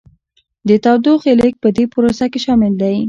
د تودوخې لیږد په دې پروسه کې شامل دی.